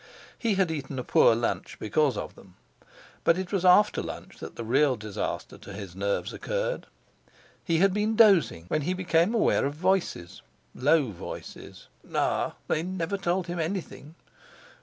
He had eaten a poor lunch because of them. But it was after lunch that the real disaster to his nerves occurred. He had been dozing when he became aware of voices—low voices. Ah! they never told him anything!